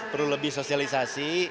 perlu lebih sosialisasi